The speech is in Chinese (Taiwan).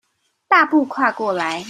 大步跨過來